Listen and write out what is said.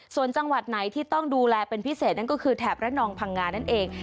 ส่วนจังหวัดไหนที่ต้องดูแลเป็นพิเศษนั่นก็คือแถบระนองพังงานั่นเอง